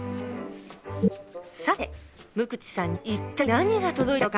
さて無朽さんに一体何が届いたのか。